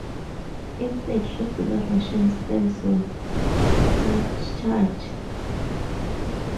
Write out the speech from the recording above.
Instead, regular Russian stamps were surcharged.